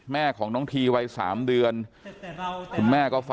แม่ของน้องทีวัย๓เดือน